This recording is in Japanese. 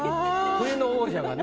冬の王者がね